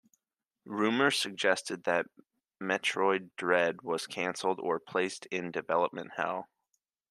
Rumors suggested that "Metroid Dread" was cancelled or placed in development hell.